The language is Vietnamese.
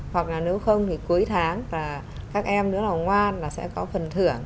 hoặc là nếu không thì cuối tháng và các em nữa là ngoan là sẽ có phần thưởng